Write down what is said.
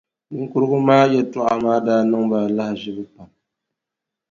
Niŋkurugu maa yɛltɔɣa maa daa niŋ ba lahaʒibu pam.